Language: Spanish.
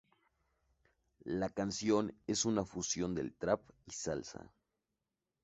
La canción es una fusión del trap y salsa.